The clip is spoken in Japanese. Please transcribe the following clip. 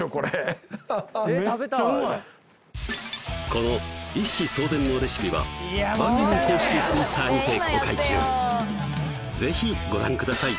この一子相伝のレシピは番組公式Ｔｗｉｔｔｅｒにて公開中ぜひご覧ください